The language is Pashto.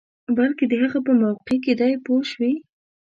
بلکې د هغه په موقع کې دی پوه شوې!.